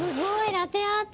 ラテアート！